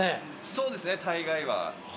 そうですね大概は。